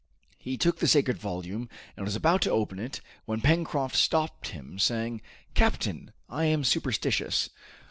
He took the sacred volume, and was about to open it, when Pencroft stopped him, saying, "Captain, I am superstitious.